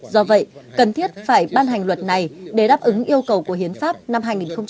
do vậy cần thiết phải ban hành luật này để đáp ứng yêu cầu của hiến pháp năm hai nghìn một mươi ba